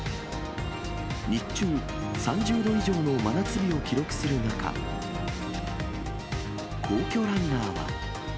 日中、３０度以上の真夏日を記録する中、皇居ランナーは。